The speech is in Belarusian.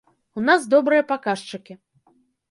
У нас добрыя паказчыкі.